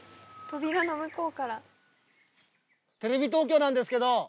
テレビ東京なんですけど。